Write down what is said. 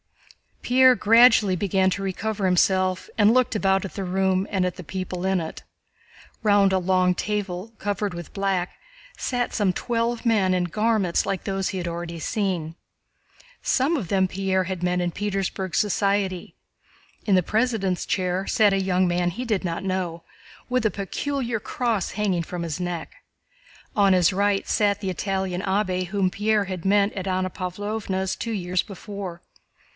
Pierre gradually began to recover himself and looked about at the room and at the people in it. Round a long table covered with black sat some twelve men in garments like those he had already seen. Some of them Pierre had met in Petersburg society. In the President's chair sat a young man he did not know, with a peculiar cross hanging from his neck. On his right sat the Italian abbé whom Pierre had met at Anna Pávlovna's two years before.